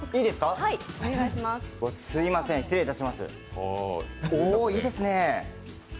お、いいですね。